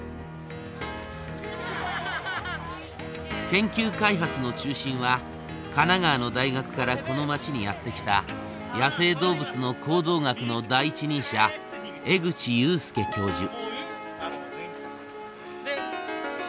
研究開発の中心は神奈川の大学からこの町にやって来た野生動物の行動学の第一人者江口祐輔教授。